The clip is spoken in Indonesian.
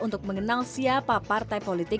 untuk mengenal siapa partai politik